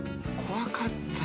怖かった。